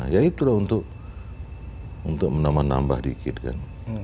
ya itulah untuk menambah nambah dikit kan